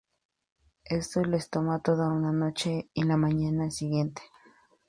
Esto les tomó toda una noche y la mañana siguiente.